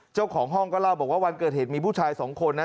เจ้าของห้องก็เล่าบอกว่าวันเกิดเหตุมีผู้ชายสองคนนะ